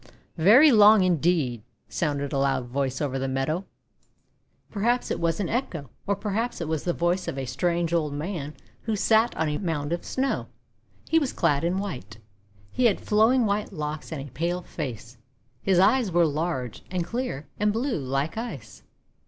"Very long, indeed!' sounded a loud voice over the meadow. THE NEW YEAR 441 Perhaps it was an echo, or perhaps it was the voice of a strange old man who sat on a mound of Snow. He was clad in white. He had flowing white locks and a pale face. His eyes were large, and clear, and blue, like ice.